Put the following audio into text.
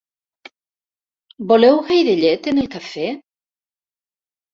Voleu gaire llet en el cafè?